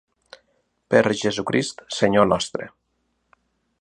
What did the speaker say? Per Jesucrist, Senyor nostre.